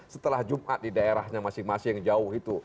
setelah jumat di daerahnya masing masing jauh itu